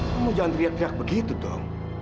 kamu jangan teriak teriak begitu dong